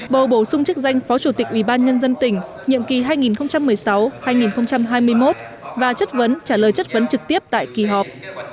bầu bổ sung chức danh phó chủ tịch ubnd tỉnh nhiệm kỳ hai nghìn một mươi sáu hai nghìn hai mươi một và trả lời chất vấn trực tiếp tại kỳ họp